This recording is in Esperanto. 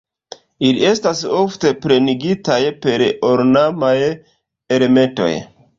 Ili estas ofte plenigitaj per ornamaj elementoj.